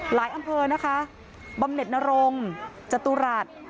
อำเภอนะคะบำเน็ตนรงจตุรัส